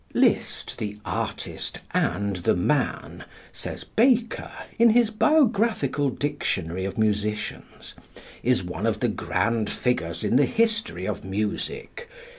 "Liszt, the artist and the man," says Baker, in his "Biographical Dictionary of Musicians," "is one of the grand figures in the history of music.